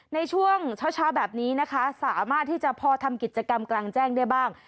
ในช่วงเช้าแบบนี้นะคะสามารถที่จะพอทำกิจกรรมกลางแจ้งได้บ้าง